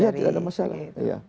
ya tidak ada masalah